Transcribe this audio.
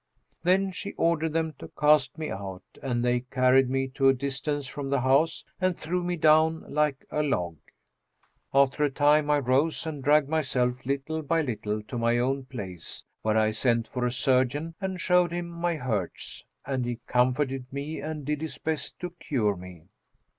Then she ordered them to cast me out, and they carried me to a distance from the house and threw me down like a log. After a time I rose and dragged myself little by little to my own place, where I sent for a surgeon and showed him my hurts; and he comforted me and did his best to cure me.